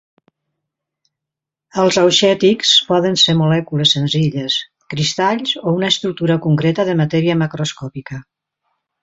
Els auxètics poden ser molècules senzilles, cristalls o una estructura concreta de matèria macroscòpica.